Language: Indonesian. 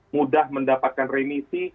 mudah mendapatkan remisi